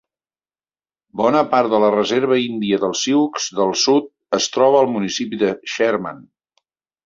Bona part de la reserva índia dels sioux del sud es troba al municipi de Sherman.